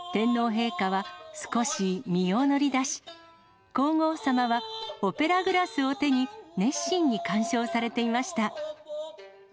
尾上菊之助さんらの名演に、天皇陛下は少し身を乗り出し、皇后さまはオペラグラスを手に熱心に鑑賞されていました。